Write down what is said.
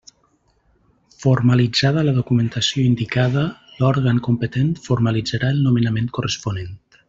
Formalitzada la documentació indicada, l'òrgan competent formalitzarà el nomenament corresponent.